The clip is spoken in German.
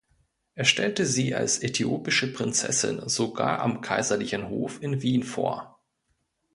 Er stellte sie als „äthiopische Prinzessin“ sogar am kaiserlichen Hof in Wien vor.